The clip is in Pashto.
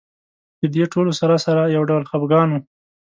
د دې ټولو سره سره یو ډول خپګان و.